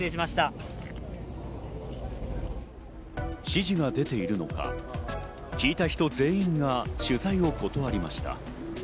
指示が出ているのか、聞いた人全員が取材を断りました。